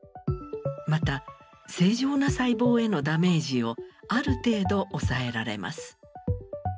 また正常な細胞へのダメージをある程度抑えられます。